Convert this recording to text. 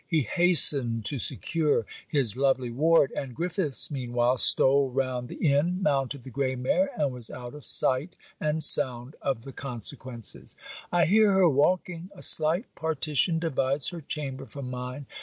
He hastened to secure his lovely ward; and Griffiths, mean while, stole round the inn, mounted the grey mare, and was out of sight and sound of the consequences. I hear her walking. A slight partition divides her chamber from mine.